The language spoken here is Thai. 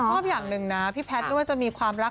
แต่ส่วนส่วนอย่างนึงนะพี่แพทย์ไม่ว่าจะมีความรัก